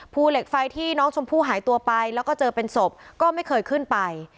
ภูเหล็กไฟที่น้องชมพู่หายตัวไปแล้วก็เจอเป็นศพก็ไม่เคยขึ้นไป